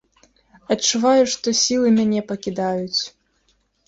Адчуваю, што сілы мяне пакідаюць.